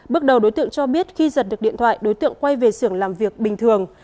bước đầu đối tượng cho biết khi giật được điện thoại đối tượng quay về xưởng làm việc bình thường